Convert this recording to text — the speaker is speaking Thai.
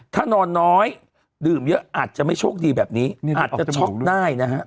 ถ้านอนน้อยดื่มเยอะอาจจะไม่โชคดีแบบนี้อาจจะช็อกได้นะฮะ